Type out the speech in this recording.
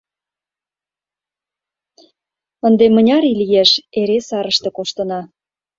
Ынде мыняр ий лиеш, эре сарыште коштына.